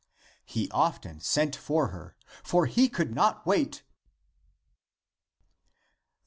He often sent for her, for he could not wait